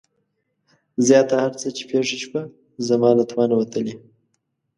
زياته هر څه چې پېښه شوه زما له توانه وتلې.